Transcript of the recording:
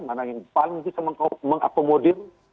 mana yang paling bisa mengakomodir partai ini untuk menjadi cawapres